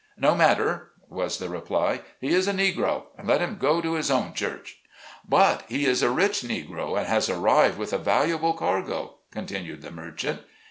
" No matter," was the reply, "he is a Negro, and let him go to his own church." "But he is a rich Negro, and has arrived with a valuable cargo," continued the merchant.